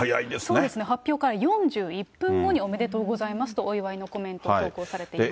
そうですね、羽生さん、結婚おめでとうございますとお祝いのコメントを投稿されています。